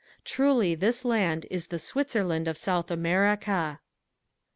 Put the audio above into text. Truly this land is the "Switzerland of South America."